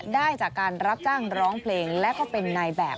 ได้จากการรับจ้างร้องเพลงและก็เป็นนายแบบ